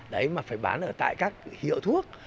đấy mà phải bán ở tại các hiệu thuốc